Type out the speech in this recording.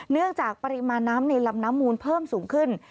เนื่องจากปริมาณน้ำในลำน้ำมูลเพิ่มสูงขึ้น